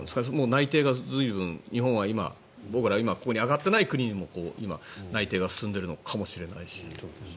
内偵が随分、日本は今、ここに挙がっていない国にも今、内偵が進んでいるのかもしれないし。